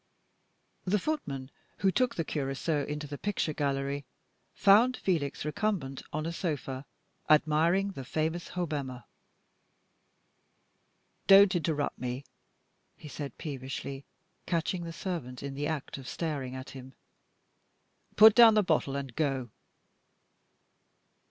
The footman who took the curacoa into the picture gallery found Felix recumbent on a sofa, admiring the famous Hobbema. "Don't interrupt me," he said peevishly, catching the servant in the act of staring at him. "Put down the bottle and go!"